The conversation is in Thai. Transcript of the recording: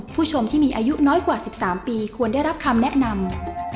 ผู้ชมที่มีอายุน้อยกว่า๑๓ปีควรได้รับคำแนะนำ